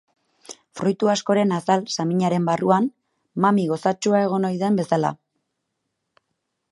Fruitu askoren azal saminaren barruan mami gozatsua egon ohi den bezala.